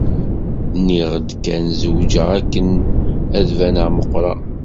Nniɣ-d kan zewǧeɣ akken ad d-baneɣ meqqreɣ.